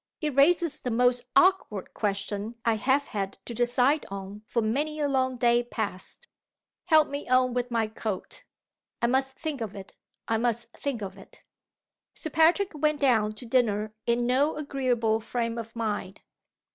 It raises the most awkward question I have had to decide on for many a long day past. Help me on with my coat. I must think of it! I must think of it!" Sir Patrick went down to dinner in no agreeable frame of mind.